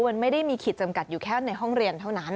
มันไม่ได้มีขีดจำกัดอยู่แค่ในห้องเรียนเท่านั้น